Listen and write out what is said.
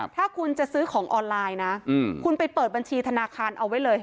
ถ้าคุณจะซื้อของออนไลน์นะคุณไปเปิดบัญชีธนาคารเอาไว้เลย